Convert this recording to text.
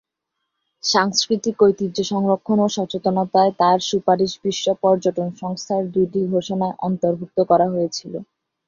সাংস্কৃতিক ঐতিহ্য সংরক্ষণ ও সচেতনতায় তার সুপারিশ বিশ্ব পর্যটন সংস্থার দুইটি ঘোষণায় অন্তর্ভুক্ত করা হয়েছিল।